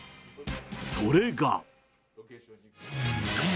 それが。